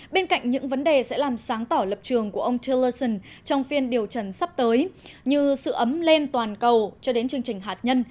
bên cạnh những vấn đề sẽ làm sáng tỏ lập trường của ông tallerson trong phiên điều trần sắp tới như sự ấm lên toàn cầu cho đến chương trình hạt nhân